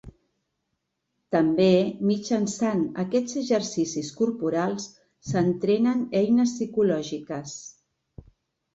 També, mitjançant aquests exercicis corporals, s'entrenen eines psicològiques.